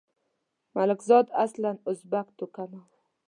ملکزاد اصلاً ازبک توکمه وو.